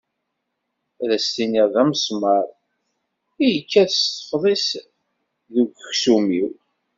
Ad as-tinid d amesmar i yekkat s tefḍist deg uksum-iw.